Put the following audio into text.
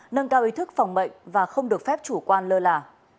nâng cao ý thức phòng bệnh và không được phép chủ quan lơ là